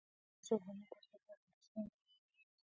ګاز د افغانانو د اړتیاوو د پوره کولو وسیله ده.